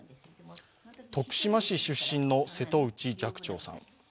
徳島市出身の瀬戸内寂聴さん。